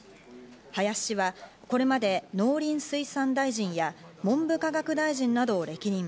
林氏は、これまで農林水産大臣や文部科学大臣などを歴任。